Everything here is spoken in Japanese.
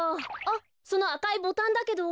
あっそのあかいボタンだけど。